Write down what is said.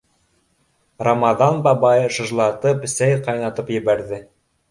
Рамаҙан бабай шыжлатып сәй ҡайнатып ебәрҙе.